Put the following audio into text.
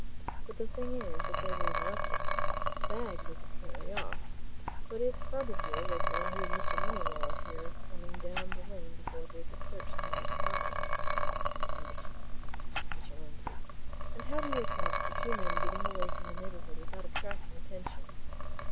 "But the thing is that they were interrupted. The bag they could carry off but it's probable that they heard Mr. Moneylaws here coming down the lane before they could search the man's pockets." "Umph!" said Mr. Lindsey. "And how do you account for two men getting away from the neighbourhood without attracting attention?"